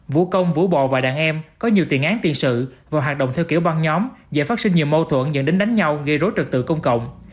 vũ công vũ bò và đàn em có nhiều tiền án tiền sự và hoạt động theo kiểu băng nhóm giải phát sinh nhiều mâu thuẫn dẫn đến đánh nhau gây rối trật tự công cộng